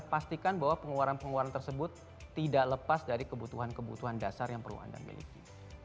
pastikan bahwa pengeluaran pengeluaran tersebut tidak lepas dari kebutuhan kebutuhan dasar yang perlu anda miliki